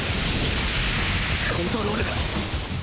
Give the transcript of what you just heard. コントロールが